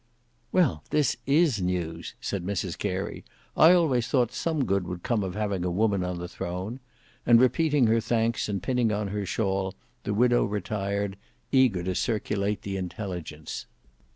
"Well this is news," said Mrs Carey. "I always thought some good would come of having a woman on the throne;" and repeating her thanks and pinning on her shawl, the widow retired, eager to circulate the intelligence.